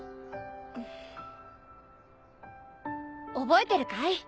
覚えてるかい？